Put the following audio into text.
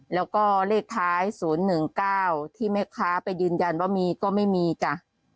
แล้วก็เลขท้าย๐๑๙ที่แม่ค้าไปยืนยันว่ามีก็ไม่มีจ้ะ